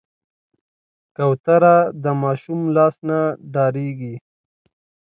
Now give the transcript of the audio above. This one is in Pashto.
کوتره د ماشوم لاس نه ډارېږي.